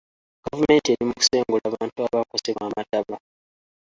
Gavumenti eri mu kusengula bantu abaakosebwa amataba.